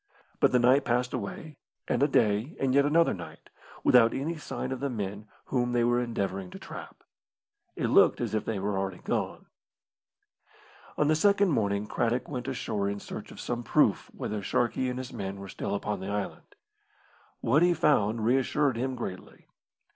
But the night passed away, and a day and yet another night, without any sign of the men whom they were endeavouring to trap. It looked as if they were already gone. On the second morning Craddock went ashore in search of some proof whether Sharkey and his men were still upon the island. What he found reassured him greatly.